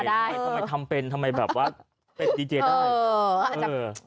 ทำไมทำเป็นทำไมเป็นดีเจได้